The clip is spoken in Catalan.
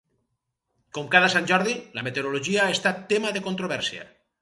Com cada Sant Jordi, la meteorologia ha estat tema de controvèrsia.